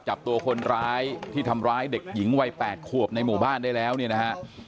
จับตัวคนร้ายที่ทำร้ายเด็กหญิงวัย๘ขวบในหมู่บ้านได้แล้วเนี่ยนะฮะ